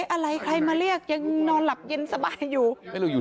อะไรใครมาเรียกยังนอนหลับเย็นสบายอยู่